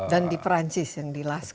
dan di prancis yang di lascaux